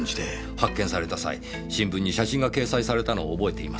発見された際新聞に写真が掲載されたのを覚えています。